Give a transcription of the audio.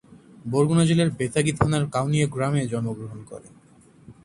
বরগুনা জেলার বেতাগী থানার কাউনিয়া গ্রামে জন্মগ্রহণ করেন।